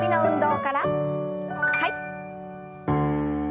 はい。